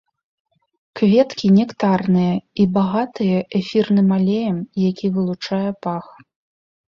Кветкі нектарныя і багатыя эфірным алеем, які вылучае пах.